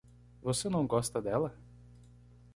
Você não gosta dela?